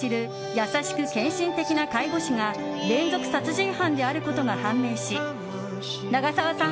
優しく献身的な介護士が連続殺人犯であることが判明し長澤さん